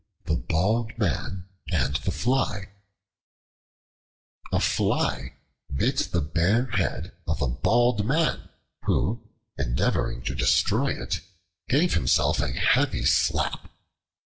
The Bald Man and the Fly A FLY bit the bare head of a Bald Man who, endeavoring to destroy it, gave himself a heavy slap.